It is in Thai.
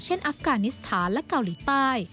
เช่นอัฟกานิสตาและเกาหลีใต้